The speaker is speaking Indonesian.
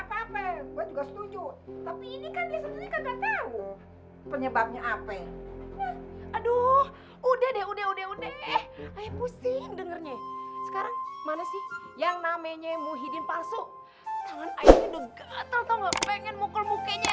penyebabnya apa aduh udah deh udah udah udah udah pusing dengernya sekarang mana sih yang namanya